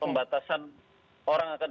pembatasan orang akan